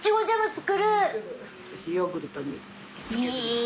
作るヨーグルトに。